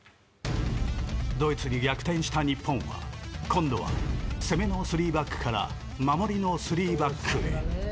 ドイツに逆転した日本は今度は、攻めの３バックから守りの３バックへ。